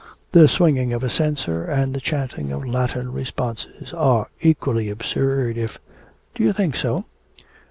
'The swinging of a censer and the chanting of Latin responses are equally absurd if ' 'Do you think so?'